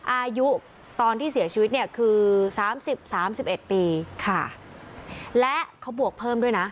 อายุตอนที่เสียชีวิตเนี่ยคือ๓๐๓๑ปีและเขาบวกเพิ่มด้วยนะ